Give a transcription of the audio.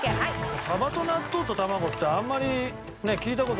サバと納豆と卵ってあんまり聞いた事ない。